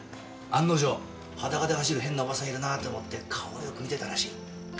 案の定裸で走る変なおばさんいるなあと思って顔をよく見てたらしい。